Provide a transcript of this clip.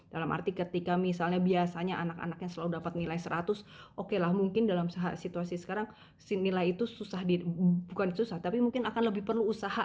dalam arti ketika misalnya biasanya anak anaknya selalu dapat nilai seratus oke lah mungkin dalam situasi sekarang nilai itu susah bukan susah tapi mungkin akan lebih perlu usaha